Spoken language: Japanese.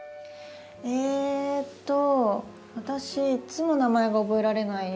えっと私いつも名前が覚えられない。